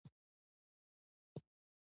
انسان کولی شي ګډ داستانونه جوړ کړي.